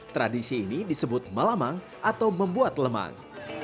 tradisi ini disebut malamang atau membuat lemang